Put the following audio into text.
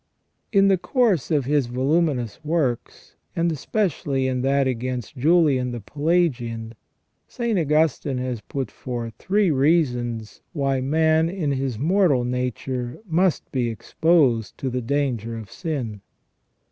In the course of his voluminous works, and especially in that against Julian the Pelagian, St. Augustine has put forth three reasons why man in his mortal nature must be exposed to the danger of sin.